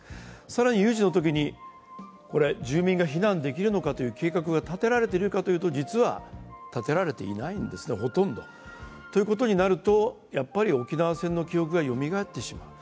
更に有事のときに、住民が避難できるのかという計画が立てられているかというと、実はほとんど立てられいないんですね。ということになると、やっぱり沖縄戦の記憶がよみがえってしまう。